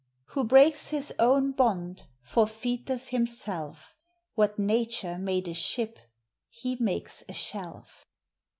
Who breaks his own bond, forfeiteth himself: What nature made a ship, he makes a shelf.